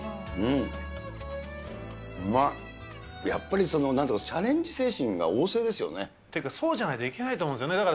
やっぱり、チャレンジ精神が旺盛っていうか、そうじゃないといけないと思うんですよね。